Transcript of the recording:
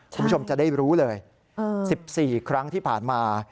คุณผู้ชมจะได้รู้เลย๑๔ครั้งที่ผ่านมา